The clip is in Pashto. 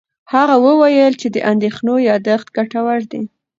هغه وویل چې د اندېښنو یاداښت ګټور دی.